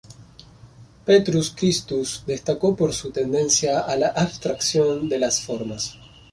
Petrus Christus destacó por su tendencia a la abstracción de las formas.